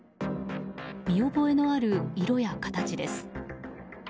見覚えのある色や形です。